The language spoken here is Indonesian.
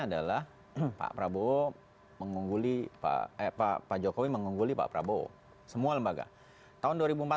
adalah pak prabowo mengungguli pak pak jokowi mengungguli pak prabowo semua lembaga tahun dua ribu empat belas